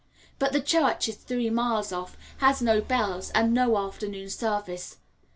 But the church is three miles off, has no bells, and no afternoon service.